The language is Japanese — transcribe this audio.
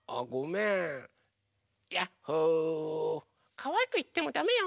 かわいくいってもだめよ！